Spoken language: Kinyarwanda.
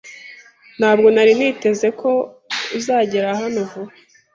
Ntabwo nari niteze ko uzagera hano vuba.